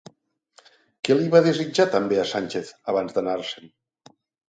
Què li va desitjar també a Sánchez abans d'anar-se'n?